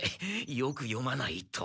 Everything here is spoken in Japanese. よく読まないと。